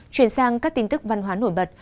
chuyển sang các tin tức văn hóa nổi bật